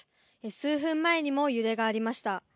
数分前にも揺れがありました。